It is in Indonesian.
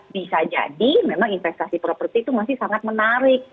bisa jadi memang investasi properti itu masih sangat menarik